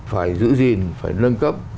phải giữ gìn phải nâng cấp